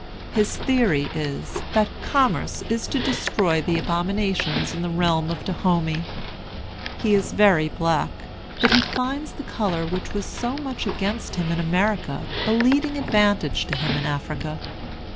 His theory is, that commerce is to destroy the abominations in the realm of Dahomey. He is very black, but he finds the color which was so much against him in America a leading advantage to him in Africa.